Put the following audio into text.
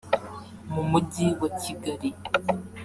mu mujyi wa Kigali